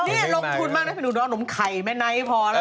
นี่ลงทุนมากน้ำไข่ไม่ไน้พอ